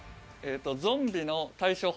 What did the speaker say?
ゾンビの対処法